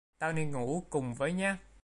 Tao đi cùng với nhé